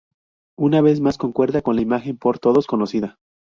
Una vez más concuerda con la imagen por todos conocida.